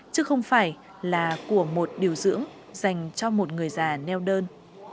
chứ không phải là của một điều dưỡng dành cho một người già neo đơn